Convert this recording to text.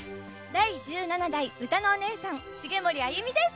だい１７だいうたのおねえさん茂森あゆみです。